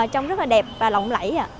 trông rất là đẹp và lộng lẫy